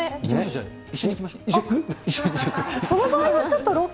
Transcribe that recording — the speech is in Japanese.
じゃあ、一緒に行きましょう。